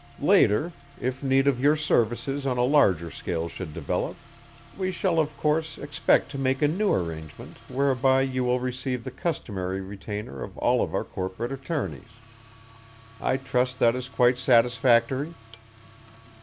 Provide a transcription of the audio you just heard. Later, if need of your services on a larger scale should develop, we shall of course expect to make a new arrangement whereby you will receive the customary retainer of all of our corporation attorneys I trust that is quite satisfactory."